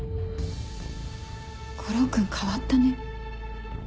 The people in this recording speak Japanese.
悟郎君変わったね。